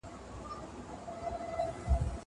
هغه وويل چي سیر ګټور دی!